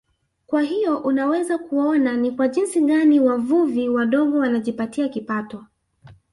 Kwa hiyo unaweza kuona ni kwa jinsi gani wavuvi wadogo wanajipatia kipato